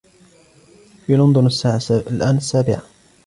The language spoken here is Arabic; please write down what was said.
في لندن الساعة الآن السابعة.